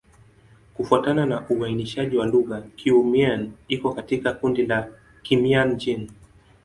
Kufuatana na uainishaji wa lugha, Kiiu-Mien iko katika kundi la Kimian-Jin.